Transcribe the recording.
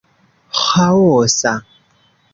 ĥaosa